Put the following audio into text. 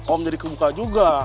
om jadi kebuka juga